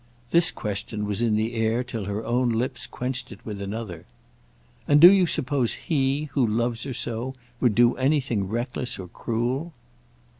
This question was in the air till her own lips quenched it with another. "And do you suppose he—who loves her so—would do anything reckless or cruel?"